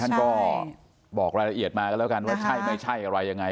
ท่านก็บอกรายละเอียดมากันแล้วกันว่าใช่ไม่ใช่อะไรยังไง